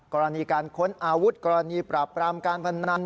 กรณีการค้นอาวุธกรณีปราบปรามการพนัน